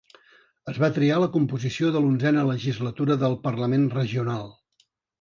Es va triar la composició de l'onzena legislatura del parlament regional.